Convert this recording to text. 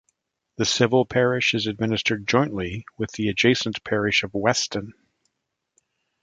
The civil parish is administered jointly with the adjacent parish of Weston.